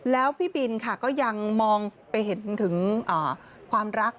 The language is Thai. แล้วพี่บินค่ะก็ยังมองไปเห็นถึงความรัก